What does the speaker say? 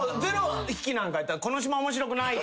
０匹なんかやったらこの島面白くない。